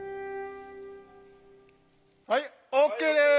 はいＯＫです！